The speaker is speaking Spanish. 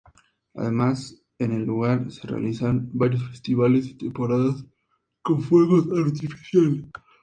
Además, en el lugar, se realizan varios festivales y temporadas con fuegos artificiales.